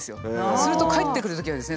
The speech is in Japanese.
すると帰ってくるときはですね